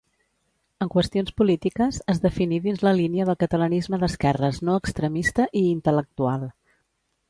En qüestions polítiques es definí dins la línia del catalanisme d'esquerres no extremista i intel·lectual.